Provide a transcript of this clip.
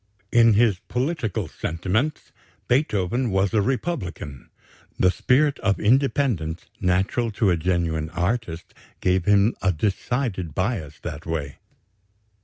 "In his political sentiments Beethoven was a republican; the spirit of independence natural to a genuine artist gave him a decided bias that way.